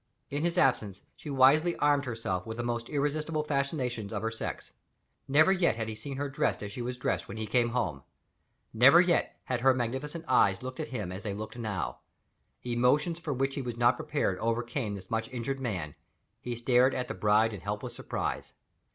In his absence, she wisely armed herself with the most irresistible fascinations of her sex. Never yet had he seen her dressed as she was dressed when he came home. Never yet had her magnificent eyes looked at him as they looked now. Emotions for which he was not prepared overcame this much injured man; he stared at the bride in helpless surprise.